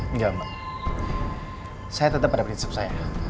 enggak mbak saya tetap pada prinsip saya